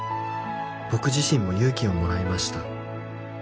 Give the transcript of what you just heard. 「僕自身も勇気をもらいました」